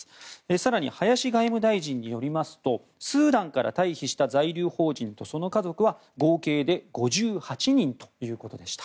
更に林外務大臣によりますとスーダンから退避した在留邦人とその家族は合計で５８人ということでした。